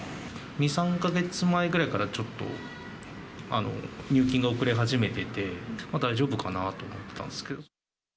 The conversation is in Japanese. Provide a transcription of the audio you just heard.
２、３か月前ぐらいから、ちょっと、入金が遅れ始めてて、大丈夫かな？と思ってたんですけど。